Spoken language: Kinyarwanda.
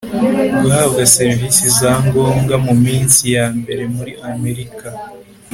Guhabwa serivise za ngombwa mu minsi ya mbere muri Amerika